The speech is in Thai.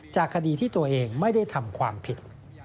คดีที่ตัวเองไม่ได้ทำความผิด